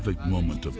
ちょっと！